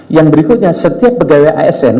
yang berikutnya setiap pegawai asn